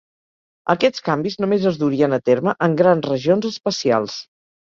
Aquests canvis només es durien a terme en grans regions espacials.